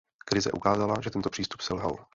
Krize ukázala, že tento přístup selhal.